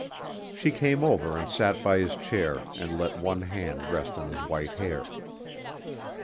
She came over and sat by his chair and let one hand rest on his white hair.